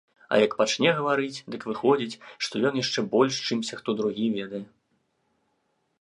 А як пачне гаварыць, дык выходзіць, што ён яшчэ больш, чымся хто другі, ведае.